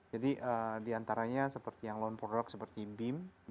jadi diantaranya seperti yang loan product seperti bim